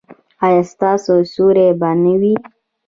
ایا ستاسو سیوری به نه وي؟